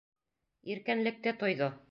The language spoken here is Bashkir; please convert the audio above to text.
Иркенлекте тойҙо.